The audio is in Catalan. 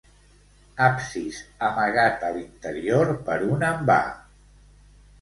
Absis amagat a l'interior per un envà.